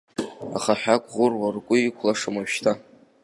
Аха ҳәак ӷәыруа ргәы иқәлашам уажәшьҭа!